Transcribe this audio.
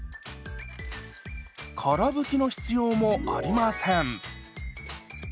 から拭きの必要もありません。